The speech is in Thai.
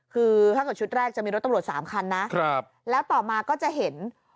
คือถ้าเกิดชุดแรกจะมีรถตำรวจสามคันนะแล้วต่อมาก็จะเห็น